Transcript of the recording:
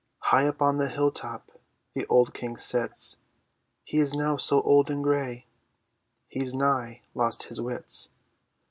High on the hill top The old King sits; He is now so old and grey He's nigh lost his wits.